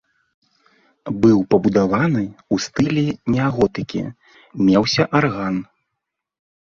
Быў пабудаваны ў стылі неаготыкі, меўся арган.